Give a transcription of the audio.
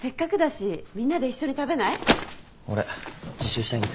俺自習したいんで。